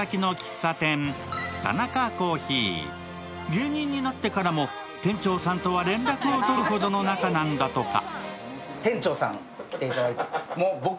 芸人になってからも店長さんとは連絡を取るほどの仲なんだとか。